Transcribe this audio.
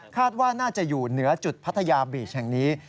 ว่าน่าจะอยู่เหนือจุดพัทยาบีชแห่งนี้